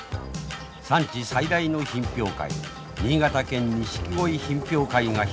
産地最大の品評会新潟県錦鯉品評会が開かれました。